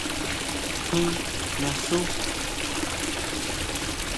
¿Tjín naxú?